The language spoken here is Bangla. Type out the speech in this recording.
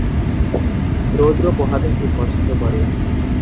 রৌদ্র পোহাতে খুব পছন্দ করে।